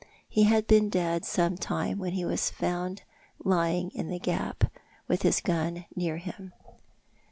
He had been dead some time when he was found lying in the gap, with his gun near him.